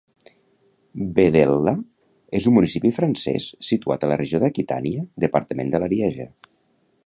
Vedelha és un municipi francès, situat a la regió d'Aquitània, departament de l'Arieja.